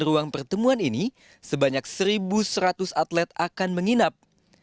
ruang pertemuan ini sebanyak satu seratus atlet akan menginap